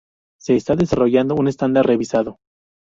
Se está desarrollando un estándar revisado.